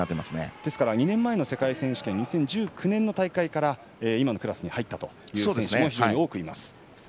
ですから２年前の世界選手権２０１９年の大会から今のクラスに入ったという選手も非常に多くいます。